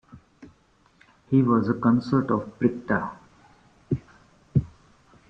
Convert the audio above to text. He was a consort of Bricta.